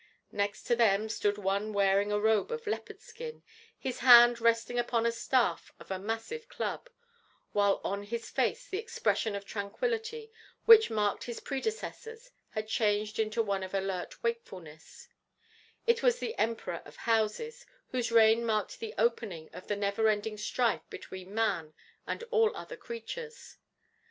Next to them stood one wearing a robe of leopard skin, his hand resting upon a staff of a massive club, while on his face the expression of tranquillity which marked his predecessors had changed into one of alert wakefulness; it was the Emperor of Houses, whose reign marked the opening of the never ending strife between man and all other creatures.